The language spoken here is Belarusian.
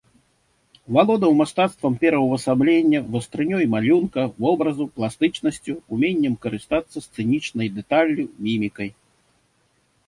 Валодаў мастацтвам пераўвасаблення, вастрынёй малюнка вобразу, пластычнасцю, уменнем карыстацца сцэнічнай дэталлю, мімікай.